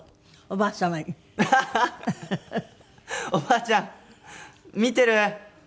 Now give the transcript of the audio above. おばあちゃん見てる？